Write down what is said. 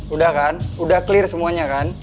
udah kan udah clear semuanya kan